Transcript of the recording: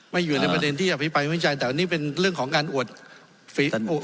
ไม่อยู่ในประเด็นที่พิมพิภัยตอนนี้เป็นเรื่องของการอวดผลงาน